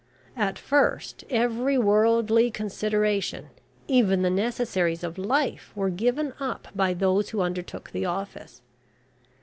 At first every worldly consideration, even the necessaries of life, were given up by those who undertook the office.